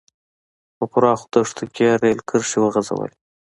په پراخو دښتو کې یې رېل کرښې وغځولې.